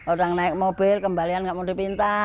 orang naik mobil kembalian nggak mau dipinta